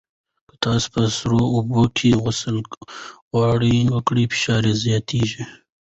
که تاسو په سړو اوبو کې غوطه خوړل وکړئ، فشار زیاتېږي.